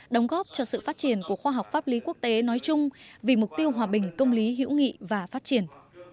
đóng góp cho sự phát triển của khoa học pháp lý quốc tế nói chung vì mục tiêu hòa bình công lý hữu nghị và phát triển